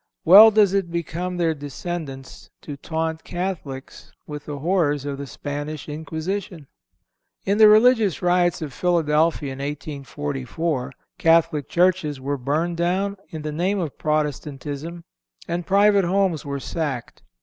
Well does it become their descendants to taunt Catholics with the horrors of the Spanish Inquisition! In the religious riots of Philadelphia in 1844 Catholic churches were burned down in the name of Protestantism and private houses were sacked.